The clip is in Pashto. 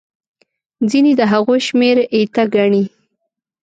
ځینې د هغوی شمېر ایته ګڼي.